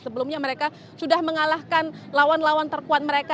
sebelumnya mereka sudah mengalahkan lawan lawan terkuat mereka